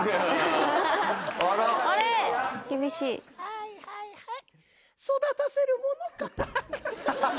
はいはいはい。